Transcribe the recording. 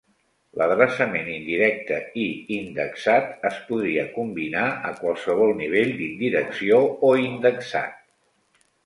L'adreçament indirecte i indexat es podria combinar a qualsevol nivell d'indirecció o indexat.